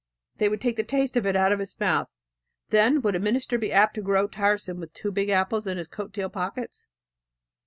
They would take the taste of it out of his mouth. Then, would a minister be apt to grow tiresome with two big apples in his coat tail pockets?